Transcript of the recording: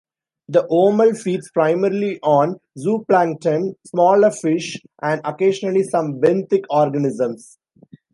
The omul feeds primarily on zooplankton, smaller fish, and occasionally some benthic organisms.